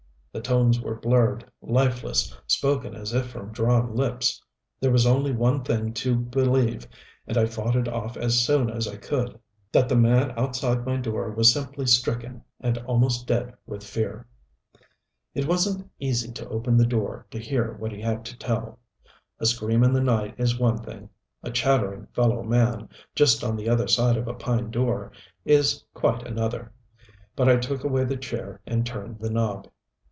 The tones were blurred, lifeless, spoken as if from drawn lips. There was only one thing to believe, and I fought it off as long as I could: that the man outside my door was simply stricken and almost dead with fear. It wasn't easy to open the door to hear what he had to tell. A scream in the night is one thing; a chattering fellow man, just on the other side of a pine door, is quite another. But I took away the chair and turned the knob.